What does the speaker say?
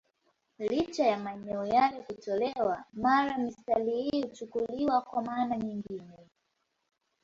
Licha ya maneno yale kutolewa, mara mistari hii huchukuliwa kwa maana nyingine.